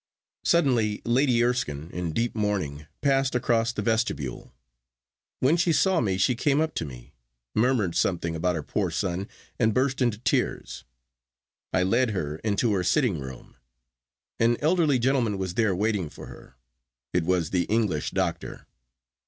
Suddenly Lady Erskine, in deep mourning, passed across the vestibule. When she saw me she came up to me, murmured something about her poor son, and burst into tears. I led her into her sitting room. An elderly gentleman was there waiting for her. It was the English doctor.